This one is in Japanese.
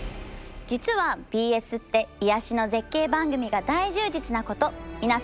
実はＢＳって癒やしの絶景番組が大充実なこと皆さん知ってました？